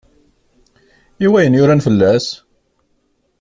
I wayen yuran fell-as?